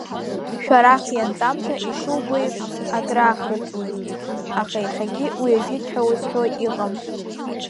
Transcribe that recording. Шәарах ианҵамҭа ишубо еиԥш, акраахыҵуеит, аха иахьагьы уи ажәит ҳәа узҳәо иҟам.